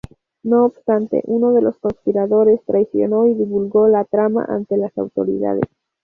No obstante, uno de los conspiradores traicionó y divulgó la trama ante las autoridades.